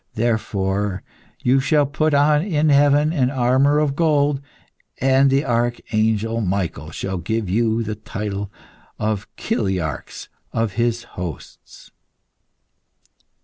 Therefore, you shall put on in heaven an armour of gold, and the Archangel Michael shall give you the title of kiliarchs of his hosts."